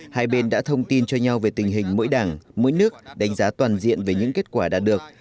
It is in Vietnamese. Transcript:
hai bên đã thông tin cho nhau về tình hình mỗi đảng mỗi nước đánh giá toàn diện về những kết quả đạt được